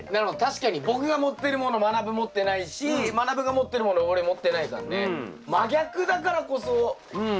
僕が持ってるものまなぶ持ってないしまなぶが持ってるもの俺持ってないからね。